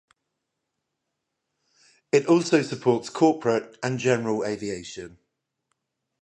It also supports corporate and general aviation.